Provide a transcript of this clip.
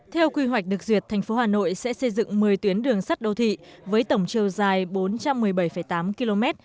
theo quy hoạch được duyệt tp hcm sẽ xây dựng một mươi tuyến đường sắt đô thị với tổng chiều dài bốn trăm một mươi bảy tám km